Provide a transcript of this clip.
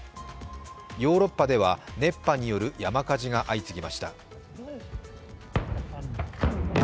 ヨーロッパでは熱波による山火事が相次ぎました。